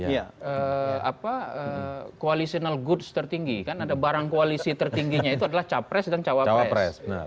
ya koalisional goods tertinggi kan ada barang koalisi tertingginya itu adalah capres dan cawapres